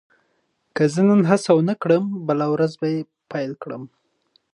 که زه نن هڅه ونه کړم، بله ورځ به پیل کړم.